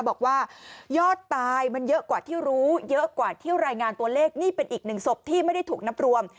บอกว่ายอดตายมันเยอะกว่าที่รู้เยอะกว่าที่รายงานตัวเลขนี่เป็นอีกหนึ่งศพที่ไม่ได้ถูกนับรวม